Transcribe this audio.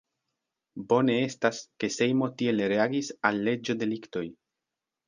Bone estas, ke Sejmo tiel reagis al leĝo-deliktoj.